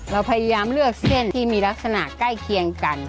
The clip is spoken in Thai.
เราพยายามเลือกเส้นที่มีลักษณะใกล้เคียงกัน